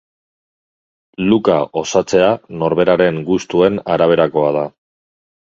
Look-a osatzea norberaren gustuen araberakoa da.